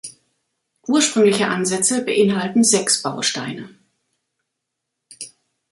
Ursprüngliche Ansätze beinhalten sechs Bausteine.